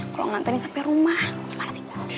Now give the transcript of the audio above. kalo nganterin sampe rumah gimana sih gue